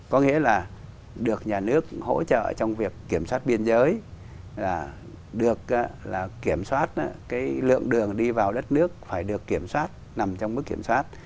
có nghĩa là được nhà nước hỗ trợ trong việc kiểm soát biên giới được kiểm soát lượng đường đi vào đất nước phải được kiểm soát nằm trong mức kiểm soát